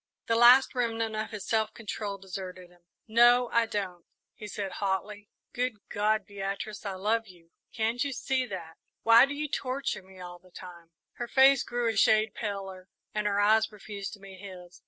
The last remnant of his self control deserted him. "No, I don't," he said, hotly. "Good God, Beatrice, I love you can't you see that? Why do you torture me all the time?" Her face grew a shade paler, and her eyes refused to meet his.